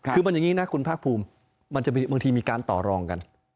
คือมันอย่างนี้นะคุณภาคภูมิมันจะบางทีมีการต่อรองกัน